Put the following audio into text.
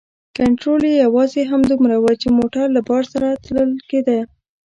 کنترول یې یوازې همدومره و چې موټر له بار سره تلل کیده.